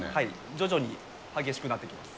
徐々に激しくなってきます。